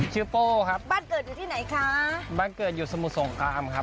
โป้ครับบ้านเกิดอยู่ที่ไหนคะบ้านเกิดอยู่สมุทรสงครามครับ